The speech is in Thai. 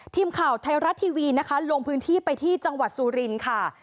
ทีมข่าวไทยรัฐทีวีนะคะลงพื้นที่ไปที่จังหวัดสุรินค่ะ